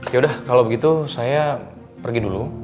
yaudah kalau begitu saya pergi dulu